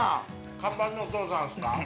◆看板のお父さんですか。